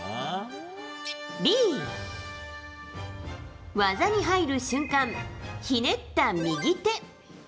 Ｂ、技に入る瞬間、ひねった右手。